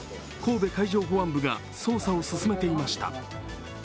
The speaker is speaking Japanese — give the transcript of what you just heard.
神戸海上保安部が捜査を進めていました。